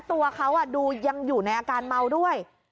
ตัวเขาดูยังอยู่ในอาการเมาด้วย